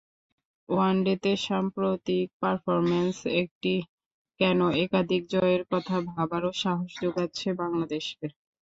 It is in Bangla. ওয়ানডেতে সাম্প্রতিক পারফরম্যান্স একটি কেন, একাধিক জয়ের কথা ভাবারও সাহস জোগাচ্ছে বাংলাদেশকে।